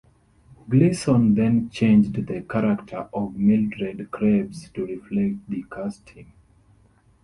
Gleason then changed the character of Mildred Krebs to reflect the casting.